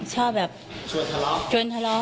ชอบแบบชวนทะเลาะ